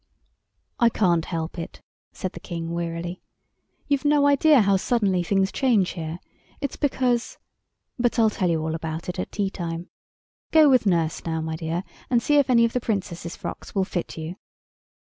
"I can't help it," said the King wearily; "you've no idea how suddenly things change here. It's because—but I'll tell you all about it at tea time. Go with nurse now, my dear, and see if any of the Princess's frocks will fit you."